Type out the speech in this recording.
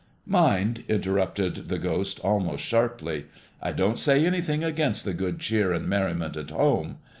"Mind," interrupted the Ghost, almost sharply, "I don't say anything against the good cheer and merriment at home.